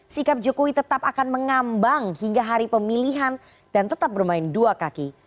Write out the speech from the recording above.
sikap jokowi tetap akan mengambang hingga hari pemilihan dan tetap bermain dua kaki